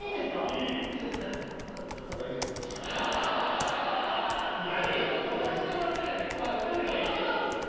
いいよつうかいつも踊らせてもらってるんですけど今回歌うほうですか？